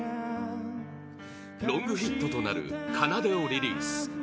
ロングヒットとなる「奏」をリリース